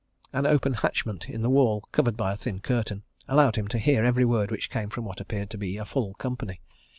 An open hatchment in the wall, covered by a thin curtain, allowed him to hear every word which came from what appeared to be a full company.